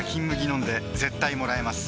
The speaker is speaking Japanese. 飲んで絶対もらえます